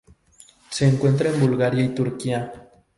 Se encuentra en Bulgaria y Turquía.